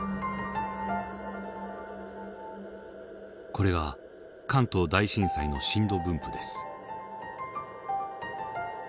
これは関東大震災の震度分布です。